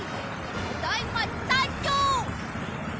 ただいまさんじょう！